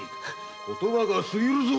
言葉が過ぎるぞ。